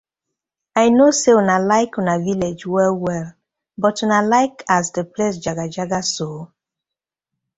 I no say una like una villag well well but una like as di place jagajaga so?